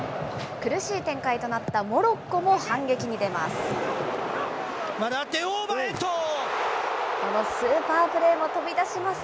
苦しい展開となったモロッコも反撃に出ます。